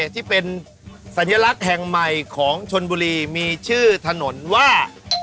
ที่เป็นสัญลักษณ์แห่งใหม่ของชนบุรีมีชื่อถนนว่า